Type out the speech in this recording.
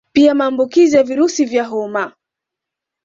Pia Maambukizi ya virusi vya homa